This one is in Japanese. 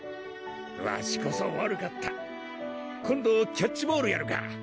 わしこそ悪かった今度キャッチボールやるか？